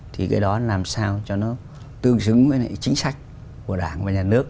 thì cái đó làm sao cho nó tương xứng với chính sách của đảng và nhà nước